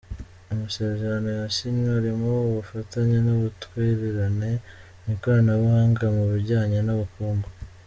Amasezerano yasinywe arimo ubufatanye n’ubutwererane mu ikoranabuhanga mu bijyanye n’ubukungu.